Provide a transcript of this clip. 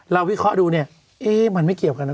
เราวิเคราะห์ดูมันไม่เกี่ยวกันนะ